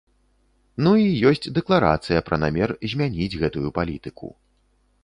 Ну, і ёсць дэкларацыя пра намер змяніць гэтую палітыку.